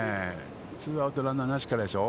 ツーアウト、ランナーなしからでしょう